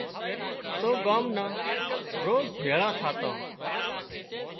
تو ڳان نان روز ڀيۯان ٿاتان